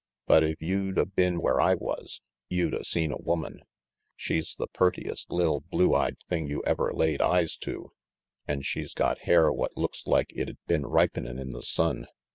"But if you'd a been where I was, you'd a seen a woman. She's the 194 RANGY PETE purtiest li'l blue eyed thing you ever laid eyes to. An' she's got hair what looks like it'd been ripenin' in the sun.